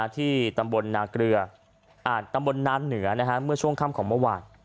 ที่ตำบลนาเกลือตำบลนานเหนือเมื่อช่วงค่ำของเมื่อวาน